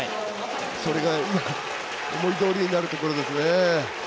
それが思いどおりになるところですね。